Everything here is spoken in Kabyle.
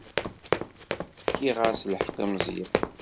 Fkiɣ-as lḥeqq i Meẓyan.